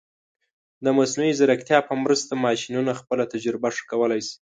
د مصنوعي ځیرکتیا په مرسته، ماشینونه خپله تجربه ښه کولی شي.